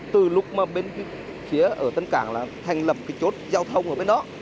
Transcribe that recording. từ lúc mà bên kia ở tấn cảng là thành lập cái chốt giao thông ở bên đó